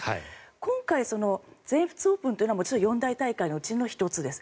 今回、全仏オープンというのはもちろん四大大会のうちの１つです。